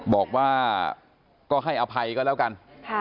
บอกว่าก็ให้อภัยก็แล้วกัน